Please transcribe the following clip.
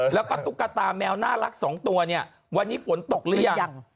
แล้วก็ตุ๊กตาแมวน่ารักสองตัวเนี่ยวันนี้ฝนตกหรือยัง